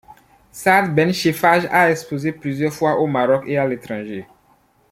Saad Ben Cheffaj a exposé plusieurs fois au Maroc et à l'étranger.